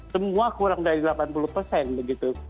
semua kurang dari delapan puluh begitu